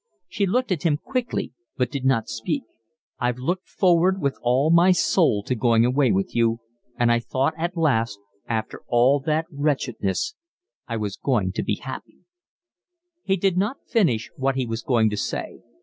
She looked at him quickly, but did not speak. "I've looked forward with all my soul to going away with you, and I thought at last, after all that wretchedness, I was going to be happy…" He did not finish what he was going to say.